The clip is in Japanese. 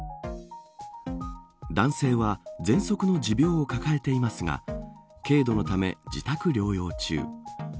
男性はぜんそくの持病を抱えていますが軽度のため自宅療養中。